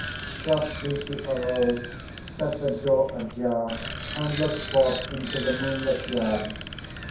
Softly she arose, set the door ajar, and looked forth into the moonlit yard.